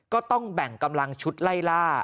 ก็ต้องแบ่งกำลังชุดไล่ล่า